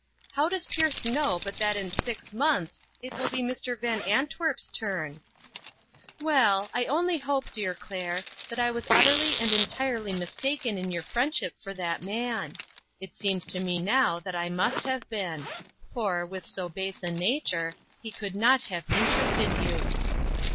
How does Pierce know but that in six months it will be Mr. Van Antwerp's turn ?" Well, I only hope, dear Claire, that I was utterly and entirely mistaken in your friendship for that man. It seems to me now that I must have been ; for, with so base a nature, he could not have interested you.